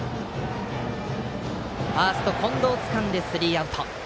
ファーストの近藤がつかんでスリーアウト。